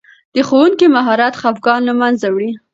د ښوونکي مهارت خفګان له منځه وړي.